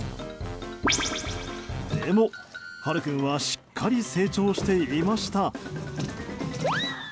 でも、ハル君はしっかり成長していました。